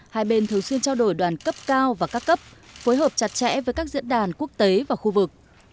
hai bên thường xuyên trao đổi đoàn cấp cao và các cấp phối hợp chặt chẽ với các diễn đàn quốc tế và khu vực